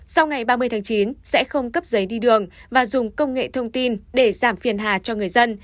sau ngày ba mươi tháng chín sẽ không cấp giấy đi đường và dùng công nghệ thông tin để giảm phiền hà cho người dân